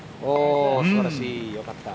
すばらしい、よかった。